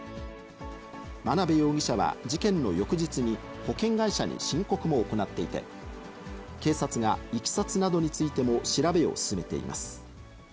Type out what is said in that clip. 眞鍋容疑者は事件の翌日に、保険会社に申告も行っていて、警察がいきさつなどについても調べを進めています。